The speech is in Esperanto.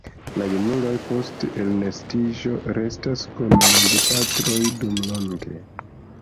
La junuloj post elnestiĝo restas kun la gepatroj dumlonge.